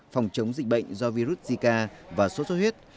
phòng chống dịch bệnh do virus zika và sốt xuất huyết